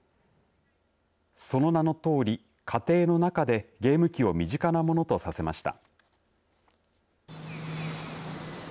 その名のとおり、家庭の中でゲーム機を身近なものとさせました。